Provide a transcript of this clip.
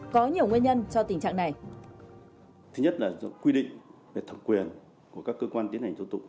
có nhiều nguyên nhân cho tình trạng này